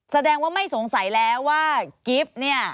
แสดงว่าไม่สงสัยแล้วว่ากิฟต์เนี่ย